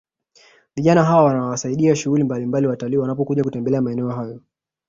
Vijana hawa wanawasaidia shughuli mbalimbali watalii wanapokuja kutembelea maeneo hayo